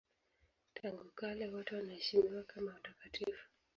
Tangu kale wote wanaheshimiwa kama watakatifu.